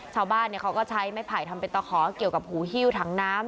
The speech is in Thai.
ชาวบ้านเนี่ยเขาก็ใช้ไม้ผล่ายทำเป็นตะขอเกี่ยวกับหูหิวทั้งน้ำ